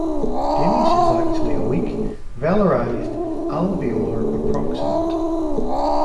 Danish is actually a weak, velarized alveolar approximant.